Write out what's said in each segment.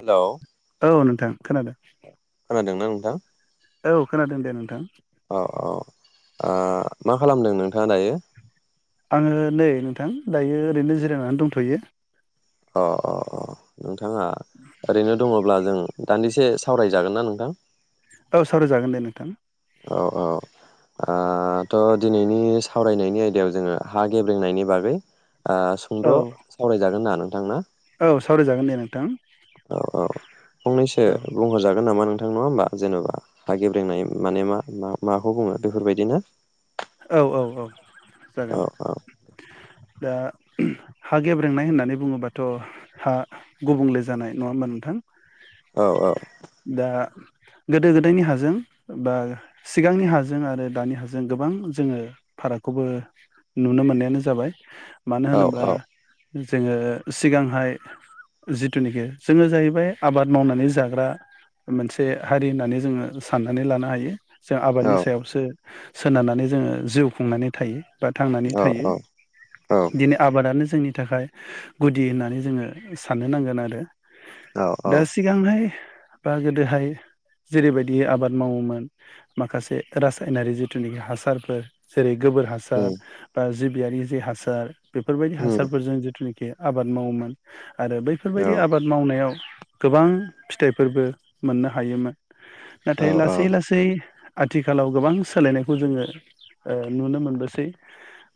Hello. औ नोंथां। खोनादों खोनादोंना? [inaudible] औ खोनादों दे नोंथां। औ औ आ मा खालामदों नोंथाङा दायो? आङो नै नोंथां दायो ओरैनो जिरायनानै दंथ'यो। अ अ अ बिथाङा ओरैनो दङब्ला जों दान्दिसे सावरायजागोनना नोंथां? औ सावराय जागोन दे नोंथां। औ औ आ त' दिनैनि सावरायनायनि आयदायाव जोङो हा गेब्रेंनायनि बागै आ सुंद' औ सावरायजागोन होनना [unintelligible] औ सावरायजागोन दे नोंथां। औ औ फंनैसो औ बुंहरजागोन नामा नों नोंथां नङा होमबा जेनेबा गेब्रेंनाय माने मा माखौ बुङो बेफोरबायदिनो औ औ औ। औ जागोन। औ दा हा गेब्रेंनाय होननानै बुङोबाथ' हा गुबुंले जानाय नङा होमबा नोंथां। औ दा गोदो गोदायनि हाजों बा सिगांनि हाजों आरो दानि हाजों गोबां जोङो फारागखौबो नुनो मोननायानो जाबाय। मानो औ होनोबा जोङो सिगांहाय जिथुनिखि जोङो जाहैबाय आबाद मावनानै जाग्रा मोनसे हारि होननानै जोङो साननानै लानो हायो। जों औ आबादनि सायावसो सोनारनानै जोङो जिउ खुंनानै थायो। बा थांनानै थायो औ दिनै आबादानो जोंनि नि थाखाय गुदि होननानै जोङो साननो नांगोन आरो औ औ दा सिगांहाय बा गोदोहाय जेरैबायदि आबाद मावोमोन माखासे रासायनारि जिथुनाखि हासारफोर जेरै गोबोर उम हासार जिबियारि जे हासार बेफोरबायदि उम हासारफोरजों जिथुनाखि आबाद मावोमोन आरो बैफोरबायदि औ आबाद मावनायाव गोबां फिथाइफोरबो मोननो हायोमोन औ नाथाय लासै लासै आथिखालाव गोबां सोलायनायखौ जोङो ओ नुनो मोनबोसै।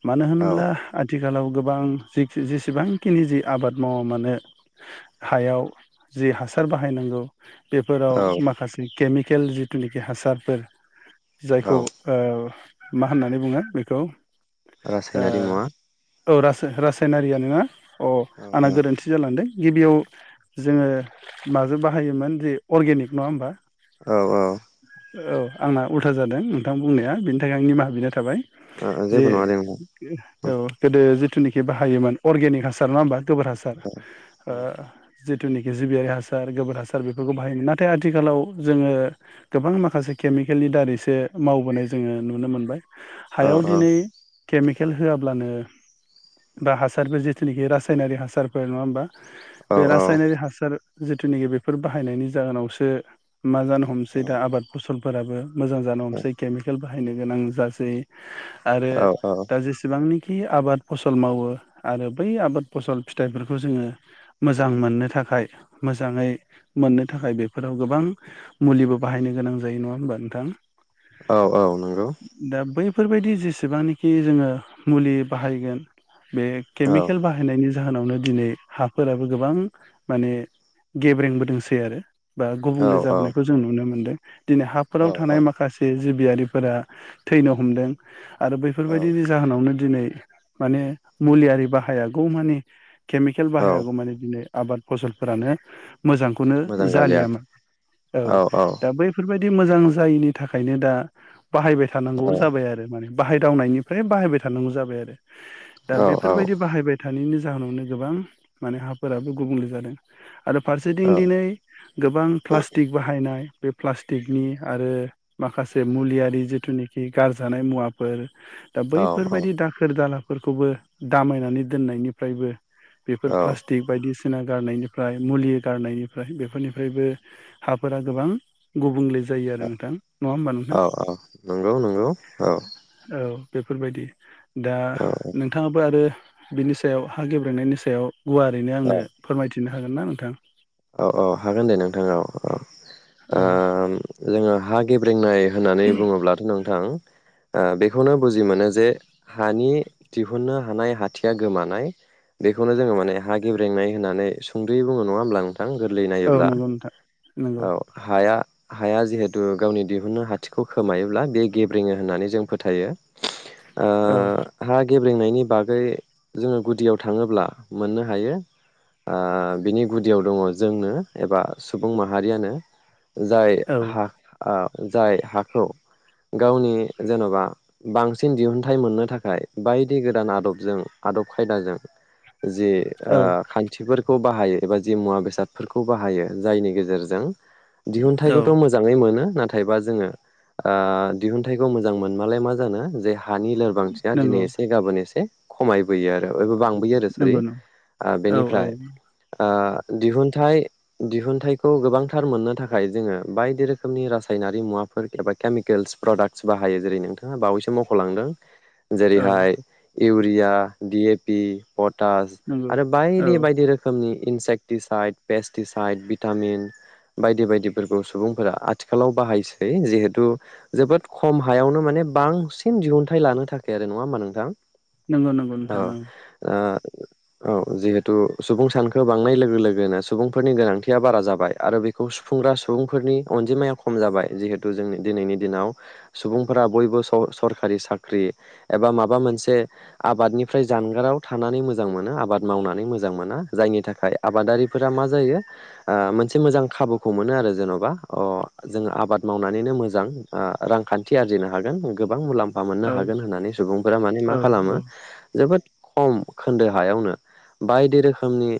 मानो औ होनोब्ला आथि थिखालाव गोबां जि जेसेबांखिनि जि आबाद मावा मानो हायाव जि हासार बाहायनांगौ बेफोराव औ माखासे केमि केल जिथुनेखि हासारफोर औ जायखौ ओ मा होननानै बुङो बेखौ ओ रासायनारि मुवा औ रासाय रासायनारियानोना अ औ आंना गोरोन्थि जालांदों गिबियाव जोङो माजों बाहायोमोन जे अर्गेनिक नङा होमबा। औ औ औ आंना उल्था जादों नोंथां बुंनाया बेनि था खाइ निमाहा बिना थाबाय ओ जे जेबो नङा दे नोंथां औ गोदो जि जिथुखि बाहायोमोन अर्गेक हासार नङा होनबा। गोबोर हासार अ जिथुनाखि जिबियारि हासार गोबोर हासार बेफोरखौ बाहायोमोन नाथाय आथिखालाव जोङो गोबां माखासे केमिकेलनि दारैसो मावबोनाय जोङो नुनो मोनबाय औ हायाव दिनै केमिकेल होआब्लानो बा हासारबो जिथुनिखि रासायनारिक हासारफोर नङा होमबा औ बे औ रासायनारि हासार जिथुनाखि बेफोर बाहायनायनि जाहोनावसो मा जानो हमसै दा आबाद फसल फोराबो मोजां जानो हमसै केमिकेल बाहायनो गोनां जासै आरो दा जेसेबांनि खि आबाद फसल मावो आरो बै आबाद फसल फिथाइफोरखौ जोङो मोजां मोननो थाखाय मोजाङै मोननो थाखाय बेफोराव गोबां मुलिबो बाहायनो गोनां जायो नङा होमबा नोंथां औ - औ नंगौ दा बैफोरबायदि जेसेबांनोखि जोङो मुलि बाहायगोन बे केमिकेल नंगौ बाहायनायनि जाहोनावनो दिनै हाफोराबो गोबां माने गेब्रेंबोदोंसै आरो बा गुबुंले औ जाबोनायखौ जों नुनो मोन्दों दिनै हाफोराव औ थानाय औ माखासे जिबियारि फोरा थैनो हमदों आरो बैफोरबायदिनि जाहोनावनो दिनै माने मुलियारि बाहायागौ मानि केमिकेल बाहायागौ मानि दिनै आबाद फसलफोरानो मोजांखौनो मोजां जालिया जालियामोन औ दा बैफोरबायदि बिदि मोजां जायिनि थाखायनो दा बाहायबाय थानांगौ जाबाय आरो माने बाहायदावनायनिफ्राय बाहायबाय थानांगौ जाबाय आरो दा औ औ बेफोरबायदि बाहायबाय थानायनि जाहो जाहोनावनो गोबां माने हाफोराबो गुबुंले जादों आरो फारसेथिं दिनै गोबां प्लास्टिक बाहायनाय बे प्लास्टिकनि आरो माखासे बे मुलियारि जिथुनाखि गारजानाय मुवाफोर दा औ बैफोरबायदि दाखोर दाला फोरखौबो दामायनानै दोननायनिफ्रायबो बेफोर प्लास्टिक बायदिसिना सिना गारनायनिफ्राय मुलि गारनायनिफ्राय बेफोरनिफ्रायबो हाफोरा गोबां गुबुंले जायो आरो नोंथां नङा होमबा नों औ औ नंगौ नंगौ औ औ बेफोरबायदि। दा औ नोंथाङाबो आरो बिनि सायाव हा गेब्रेनायनि सायाव गुवारैनो आंनो फोरमायथिनो हागोन ना नोंथां? औ औ हागोन दे नोंथां औ औ ओ जोङो हा गेब्रेंनाय होननानै बुङोब्लाथ' नोंथां ओ बेखौनो बुजि मोनो जे हानि दिहुननो हानाय हाथिया गोमानाय बेखौनो जोङो माने हा गेब्रेंनाय होननानै सुंद'यै बुङो। नङा होमब्ला नों गोरलै औ नायोब्ला नंगौ नोंथां औ नंगौ हाया हाया जिहेतु गावनि दिहुननो हाथिखौ खोमायोब्ला बेयो गेब्रेङो होननानै जों फोथायो। ओ औ हा गेब्रेंनायनि बागै जोङो गुदियाव थाङोब्ला मोननो हायो ओ बिनि गुदियाव दङ जोंनो एबा सुबुं माहारियानो जाय औ हा ओ जाय हाखौ गावनि जेन'बा बांसिन दिहुनथाइ मोननो थाखाय बायदि गोदान आदबजों आदब खायदाजों जे औ ओ औ खान्थिफोर खौ बाहायो एबा जि मुवा बेसाद फोरखौ बाहायो जायनि गेजेरजों दिहुनथाइखौथ' मोजाङै मोनो। नाथायबा जोङो ओ दिहुनथाइखौ मोजां मोनमालाय मा जानो जे हानि लोरबांथिया दिनै नंगौ एसे गाबोन एसे खमाय बोयो आरो बांबोयो आरो सरि नंगौ नंगौ ओ औ औ बेनिफ्राय ओ दिहुन थाय दिहुनथाइखौ गोबांथार मोननो थाखाय जोङो बायदि रोखोमनि रासायनारि मुवाफोर एबा केमिकेल्स प्रडाक्टस बाहायो जेरै नोंथाङा बावैसो मख'लांदों औ जेरैहाय urea, D A P potash नंगौ आरो औ बायदि बायदि रोखोमनि इन्सायक्टिसाइड पेस्टिसाइद भिटामिन बायदि बायदिफोरखौ सुबुंफोरा आथिखालाव बाहायसै जिहेथु जोबोद खम हायावनो माने बांसिन दिहुनथाइ लानो थाखाय आरो नङा होमबा नोंथां? नंगौ नंगौ अ नोंथां ओ औ जिहेतु सुबुं सानखो बांनाय लोगो लोगोनो सुबुंफोरनि गोनांथिया बारा जाबाय आरो बेखौ सुफुंग्रा सुबुंफोरनि अनजिमाया खम जाबाय जिहेथु जोंनि दिनैनि दिनाव सुबुंफोरा बयबो सर-सरखारि साख्रि एबा माबा मोनसे आबादनिफ्राय जानगाराव थानानै मोजां मोनो आबाद मावनानै मोजां मोना जायनि थाखाय आबादारि फोरा मा जायो ओ मोनसे मोजां खाबुखौ मोनो आरो जेन'बा अ जोङो आबाद मावनानैनो मोजां ओ रांखान्थि आरजिनो हागोन गोबां मुलाम फा मोननो औ हागोन होननानै सुबुंफोरा माने मा औ खालामो जोबोद खम खोन्दो हायावनो बायदि रोखोमनि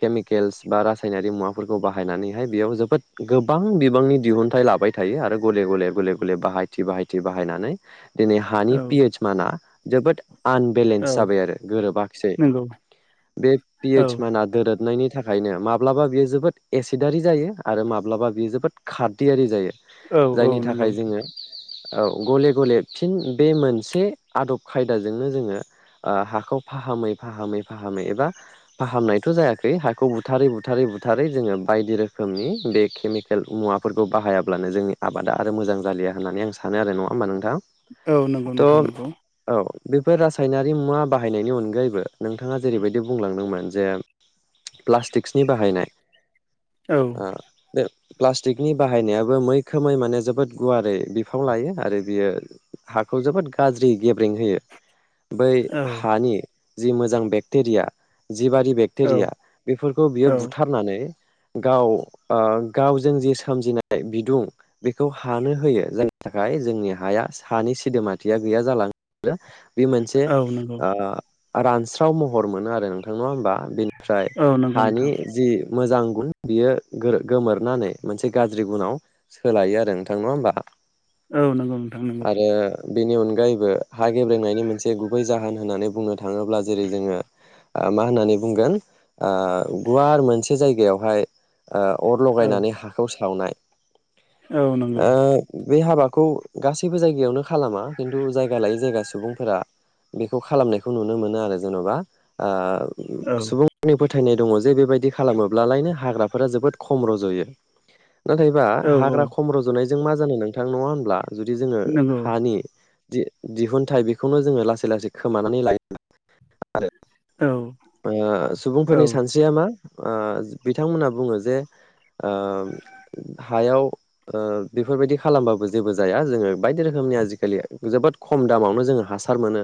केमिकेल्स बा रासायनारि मुवाफोरखौ बाहायनानैहाय बेयाव जोबोद गोबां बिबांनि दिहुनथाइ लाबाय थायो आरो गले गले गले गले बाहायथि बाहायथि बाहायनानै दिनै हानि औ पिएच मानआ जोबोद औ आनबेलेन्स जाबाय आरो गोरोबाखिसै नंगौ बे औ पिएच माना दोरोद नायनि था खायनो माब्लाबा बियो जोबोद एसिडारि जायो आरो माब्लाबा बियो जोबोद खारदियारि जायो । औ औ नंगौ नोंथां। औ गले गले फिन बे मोनसे आदब खायदाजोंनो जोङो ओ हाखौ फाहामै फाहामै फाहामै एबा फाहामनायथ'‌ जायाखै हा खौ बुथारै बुथारै बुथारै जोङो बायदि रोखोमनि बे केमिकेल मुवाफोरखौ बाहायाब्लानो जोंनि आबादा आरो मोजां जालिया होननानै आं सानो आरो नङा होमबा नोंथां? औ नंगौ थ' नोंथां नंगौ । औ बेफोर रासायनारि मुवा बाहायनायनि अनगायैबो नोंथाङा जेरैबायदि बुंलांदोंमोन जे प्लास्टिक्सनि बाहायनाय औ ओ दे [inaudible] प्लास्टिकनि बाहायनायाबो मैखोमै माने जोबोद गुवारै बिफाव लायो आरो बियो हाखौ जोबोद गाज्रि गेब्रेें होयो बै औ हानि जि मोजां बेक्टेरिया जिबादि औ बेक्टेरिया बेफोरखौ बियो औ बुथारनानै गाव ओ गावजों जि सोमजिनाय बिदुं बेखौ हानो होयो जायनि थाखाय जोंनि हाया हानि सिदोमाथिया गैया जालाङो बे मोनसे औ नंगौ ओ रानस्राव महर मोनो आरो नोंथां नङा होमबा फ्राय औ नंगौ हानि नोंथां जि मोजां उन बियो गोरो गोमोरनानै मोनसे गाज्रि गुनाव सोलायो आरो नोंथां नङा होमबा औ नंगौ नोंथां नंगौ आरो बेनि अनगायैबो हा गेब्रेंनायनि मोनसे गुबै जाहोन होननानै बुंनो थाङोब्ला जेरै जोङो ओ मा होननानै बुंगोन ओ गुवार मोनसे जायगायावहाय ओ अर औ लगायनानै हाखौ सावनाय औ नंगौ ओ बे हाबाखौ गासैबो जायगायावनो खालामा खिन्थु जायगा लायै जायगा सुबुंफोरा बेखौ खालामनायखौ नुनो मोनो आरो जेन'बा ओ औ सुबुं फोथायनाय दङ जे बेबायदि खालामोब्लालायनो हाग्राफोरा जोबोद खम रज'यो नाथायबा औ औ हाग्रा खम रज'नाय जों मा जानो नोंथां नङा होनब्ला । जुदि जोङो नंगौ हानि दि दिहुनथाइ बेखौनो जोङो लासै लासै खोमानानै लायो । आरो औ ओ स औ सुबुंफोरनि सानस्रिया मा? ओ बिथांमोना बुङो जे ओ हायाव ओ बेफोरबायदि खालामबाबो जेबो जाया जोङो बायदि रोखोमनि आजिखालि जोबोद खम दामावनो जोङो हासार मोनो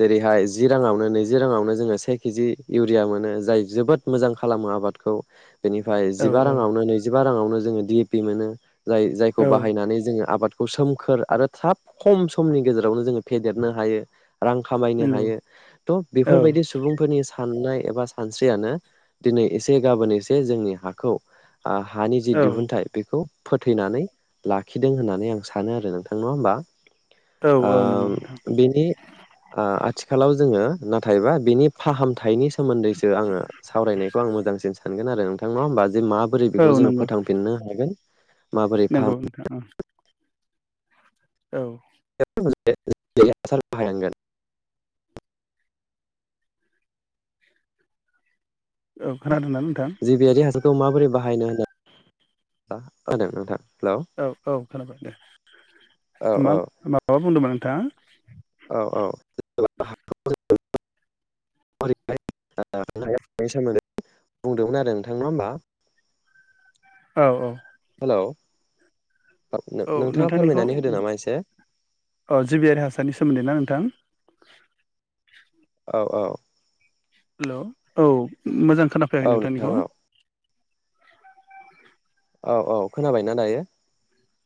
जेरैहाय जि राङावनो नैजि राङावनो जोङो से केजि इउरिया मोनो । जाय जोबोद मोजां खालामो आबादखौ । बेनिफ्राय औ जिबा राङावनो नैजि बा राङावनो जोङो डि ए पि मोनो । जाय जायखौ औ बाहायनानै जोङो आबाद खौ सोमखोर आरो थाब खम समनि गेजेरावनो जोङो फेदेरनो हायो । रां खामायनो नंगौ हायो थ' औ बेफोरबायदि सुबुंफोरनि सा साननाय एबा स सानस्रियानो दिनै एसे गाबोन एसे जोंनि हाखौ आ हानि जि औ दिहुनथाइ बेखौ फोथैनानै लाखिदों होननानै आं सानो आरो नोंथां नङा होमबा? औ नंगौ ओम नोंथां बेनि ओ थिखालाव जोङो नाथायबा बिनि फाहामथायनि सोमोन दो आङो सावरायनायखौ आं मोजांसिन स गोन आरो नोंथां नङा होमबा? जे माबोरै बेखौ जोङो फोथांफिननो हागोन । नोंगौ नोंथां औ । औ । [unintelligible] औ खोनादोंना नोंथां? खौ माबोरै बाहायनो होनो होदों नोंथां । औ औ खोनाबाय दे औ मा औ माबा बुंदोंमोन? [unintelligible] औ औ। [inaudible] [unintelligible] बुंदोमोन आरो नङा ओमबा? औ औ। लाव औ नोंथांनिखौ एसे औ जिबियारि हासारनि सोमोन्दै ना नोंथां। [unintelligible] औ औ। होलोव औ। मोजां औ खोनाफैयाखै नोंथां नोंथांनिखौ। औ औ औ खोनाबायना दायो?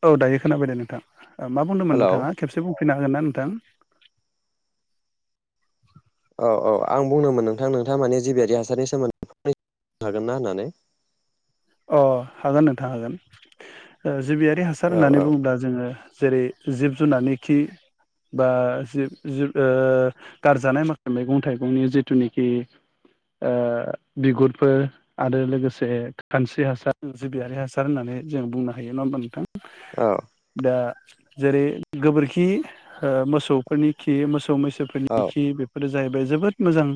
औ दायो खोनाबाय दे नोंथां। मा बुंदोंमोन हेलौ नोंथाङा खेबसे बुंफ हागोन ना नोंथां। औ औ आं बुंदोंमोन नोंथां नोंथाङा माने जिबियारि हासारनि सोमोन्दै फनो हागोन ना होननानै। अ हागोन नोंथां हागोन। जिबियारि हासार औ होननानै औ बुङोब्ला जोङो। जेरै जिब जुनारनि खि बा जिब जिब ओ गारजानाय माखासे मैगं थाइगंनि जिथुनिखि ओ बिगुरफोर आरो लोगोसे। खानस्रि हासार सिबियारि हासार होननानै जों बुंनो हायो, नङा होमबा नोंथां? औ दा जेरै गोबोरखि ओ मोसौफोरनि खि मोसौ मैसो। औ फोरनि बेफोर। जाहैबाय जोबोद मोजां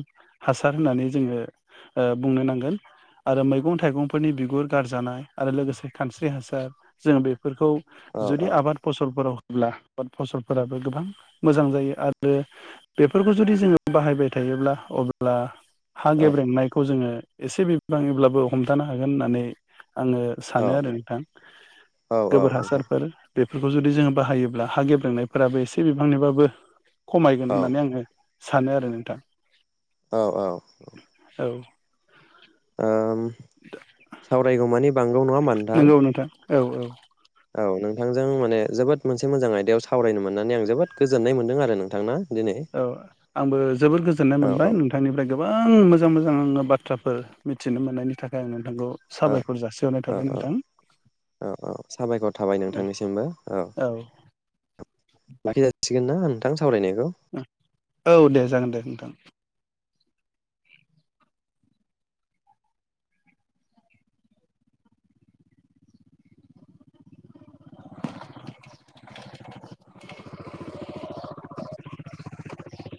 हासार होननानै जोङो बुंनो नांगोन। फोरनि बिगुर गारजानाय आरो लोगोसे खानस्रि हासार जोङो बे फोरखौ जुदि औ आबाद फसलफोराव। अब्ला फसलफोराबो गोबां मोजां जायो आरो बेफोरखौ जुदि जोङो बाहायबाय थायोब्ला अब्ला हा औ गेब्रेंनायखौ जोङो। एसे बिबाङैब्लाबो हम थानो हागोन होननानै। आङो सानो आरो नोंथां, औ औ गोबोर नोंथां हासारफोर। बेफोरखौ जुदि जोङो बाहायोब्ला हा गेब्लेनायफोराबो एसे बिबांनिबाबो। खमायगोन औ होननानै आङो। सानो आरो नोंथां। औ औ औ। औ। ओम। सावरायगौमानि औ नङा होनबा नोंथां? औ औ। औ नोंथांजों माने जोबोद मोनसे मोजां आयदायाव सावरायनो मोननानै आं जोबोद गोजोननाय मोनदों आरो नोंथांना। औ आंबो जोबोद गोजोननाय औ औ मोनबाय नोंथांनिफ्राय गोबां मोजां मोजां आङो। बाथ्राफोर मिथिनो मोननायनि थाखाय आङो। औ औ औ औ औ साबायखर थाबाय नोंथांनिसिमबो औ लाखिजासि सिगोन ना नोंथां? सावरायनायखौ औ दे जागोन दे नोंथां। [inaudible]